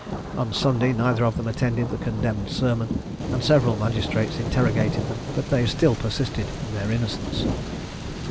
On Sunday, neither of them attended the condemned sermon, and several magistrates interrogated them; but they still persisted in their innocence.